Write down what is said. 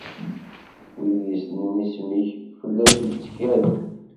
Wid yessnen isem-ik, fell-ak i ttkalen.